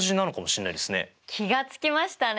気が付きましたね！